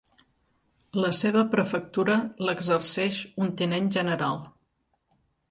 La seva prefectura l'exerceix un tinent general.